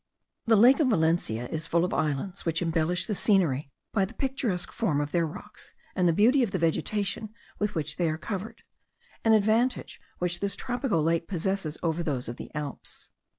The lake of Valencia is full of islands, which embellish the scenery by the picturesque form of their rocks, and the beauty of the vegetation with which they are covered: an advantage which this tropical lake possesses over those of the Alps.